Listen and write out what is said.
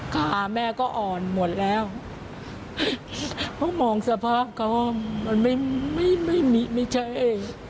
ขาแม่ก็อ่อนหมดแล้วเพราะมองสภาพเขามันไม่ไม่ใช่